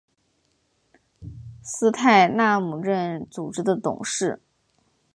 斯泰纳姆任组织的董事。